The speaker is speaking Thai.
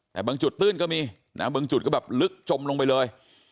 แต่บางจุดตื้นก็มีนะบางจุดก็แบบลึกจมลงไปเลย